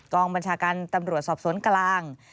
กองบัญชาการตำรวจสอบสวนกลาง